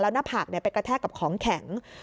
หน้าผากไปกระแทกกับของแข็ง